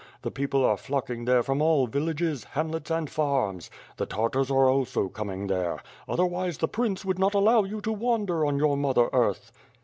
The people are flocking there from all villages, hamlets, and farms. The Tartars are also coming there. Otherwise the prince would not allow you to wander on your mother earth."